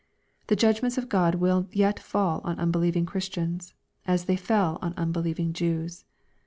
The judgments of God will yet fall on unbelieving Christians, as they fell on unbelieving Jews.